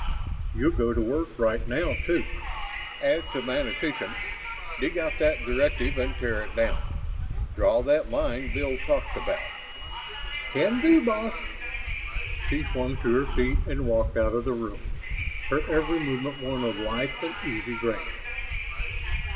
"You'll go to work right now, too. As semantician. Dig out that directive and tear it down. Draw that line Bill talked about." "Can do, boss." She swung to her feet and walked out of the room, her every movement one of lithe and easy grace.